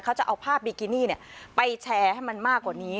เขาจะเอาภาพบิกินี่ไปแชร์ให้มันมากกว่านี้